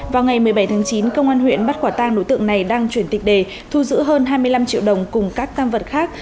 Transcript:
vào ngày một mươi bảy tháng chín công an huyện bắt quả tang đối tượng này đang chuyển tịch đề thu giữ hơn hai mươi năm triệu đồng cùng các tam vật khác